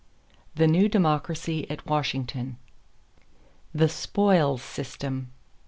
THE NEW DEMOCRACY AT WASHINGTON =The Spoils System.